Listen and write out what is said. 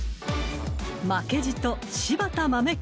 ［負けじと柴田豆賢人も］